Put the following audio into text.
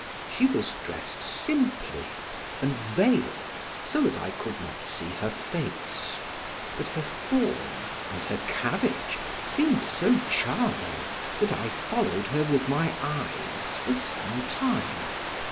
She was dressed simply and veiled so that I could not see her face; but her form and her carriage seemed so charming that I followed her with my eyes for some time.